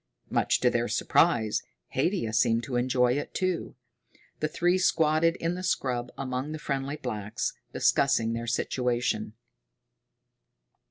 Much to their surprise, Haidia seemed to enjoy it too. The three squatted in the scrub among the friendly blacks, discussing their situation.